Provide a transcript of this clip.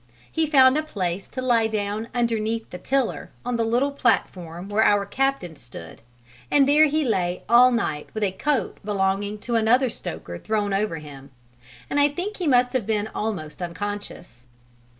He found a place to lie down underneath the tiller on the little platform where our captain stood, and there he lay all night with a coat belonging to another stoker thrown over him and I think he must have been almost unconscious.